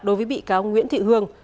đối với bị cáo nguyễn thị hương